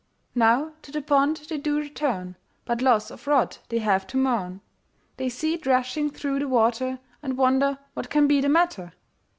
Now to the pond they do return, But loss of rod they have to mourn, They see it rushing through the water, And wonder what can be the matter.